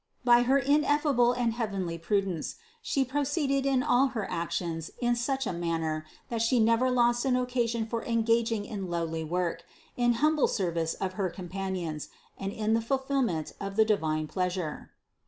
By Her ineffable and heavenly prudence She proceeded in all her actions in such a man ner, that She never lost an occasion for engaging in lowly work, in humble service of her companions, and in the fulfillment of the divine pleasure.